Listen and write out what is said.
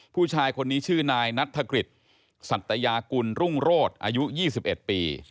ผู้ชายคนนี้ชื่อนายนัฐกฤษสัตยากุลรุ่งโรศอายุ๒๑ปี